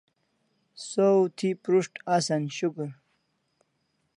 Saw thi prus't asan shukur